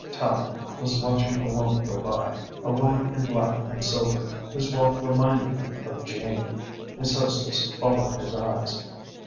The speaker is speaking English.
Tallente was watching a woman go by, a woman in black and silver, whose walk reminded him of Jane. His hostess followed his eyes.